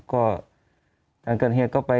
ตั้งแต่เกิดเหตุ